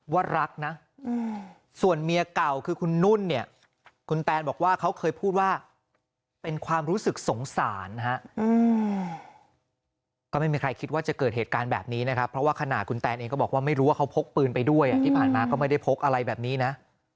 ว่ารักนะส่วนเมียเก่าคือคุณนุ่นเนี่ยคุณแตนบอกว่าเขาเคยพูดว่าเป็นความรู้สึกสงสารฮะก็ไม่มีใครคิดว่าจะเกิดเหตุการณ์แบบนี้นะครับเพราะว่าขณะคุณแตนเองก็บอกว่าไม่รู้ว่าเขาพกปืนไปด้วยที่ผ่านมาก็ไม่ได้พกอะไรแบบนี้นะ